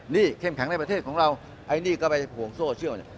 นี่เข้มแข็งในประเทศของเราไอ้นี่ก็ไปห่วงโซเชียลเนี่ย